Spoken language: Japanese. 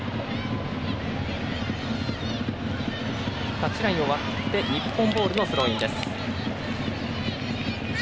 タッチラインを割って日本ボールのスローインです。